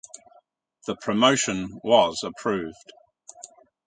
The promotion was approved.